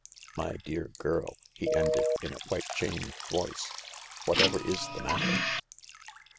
My dear girl," he ended, in a quite changed voice, " whatever is the matter